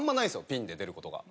ピンで出る事が。